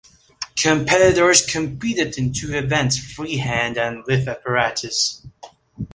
Competitors competed in two events - freehand and with apparatus.